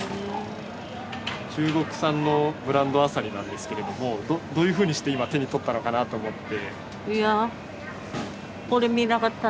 中国産のブランドアサリなんですけれどもどういうふうにして今手に取ったのかなと思って